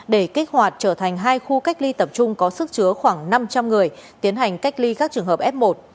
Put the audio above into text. để kích hoạt trở thành hai khu cách ly tập trung có sức chứa khoảng năm trăm linh người tiến hành cách ly các trường hợp f một